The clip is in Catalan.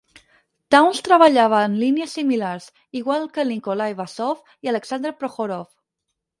Townes treballava en línies similars, igual que Nikolay Basov i Aleksandr Prokhorov.